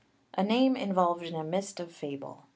A name involved in a mist of fable.